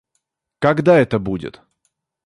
Когда это будет?